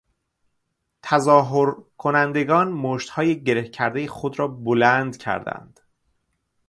تظاهر کنندگان مشتهای گره کردهی خود را بلند کردند.